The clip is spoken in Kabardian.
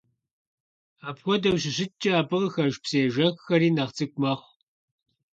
Апхуэдэу щыщыткӀэ, абы къыхэж псыежэххэри нэхъ цӀыкӀу мэхъу.